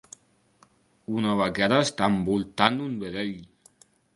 Una vaquera està envoltant un vedell.